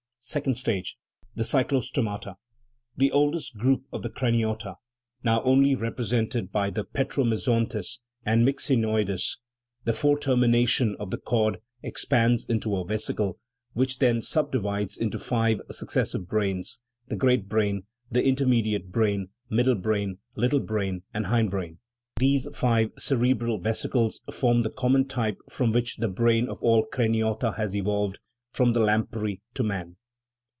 Second stage the cyclostomata : the oldest group of the craniota, now only represented by the petromy zontes and myxinoides : the fore termination of the cord expands into a vesicle, which then subdivides into five successive parts the great brain, intermedi ate brain, middle brain, little brain, and hind brain: these five cerebral vesicles form the common type from which the brain of all craniota has evolved, from the lamprey to man.